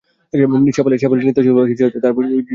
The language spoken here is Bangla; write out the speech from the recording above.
শেফালী নৃত্যশিল্পী হিসাবে তার পেশাগত জীবন শুরু করেছিলেন।